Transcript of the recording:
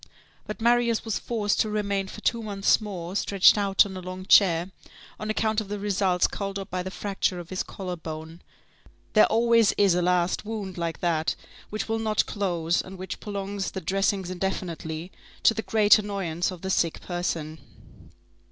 But Marius was forced to remain for two months more stretched out on a long chair, on account of the results called up by the fracture of his collar bone. There always is a last wound like that which will not close, and which prolongs the dressings indefinitely, to the great annoyance of the sick person.